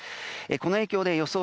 この影響で予想